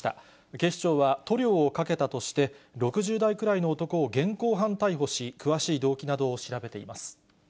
警視庁は塗料をかけたとして、６０代くらいの男を現行犯逮捕し、詳しい動機などを調べています。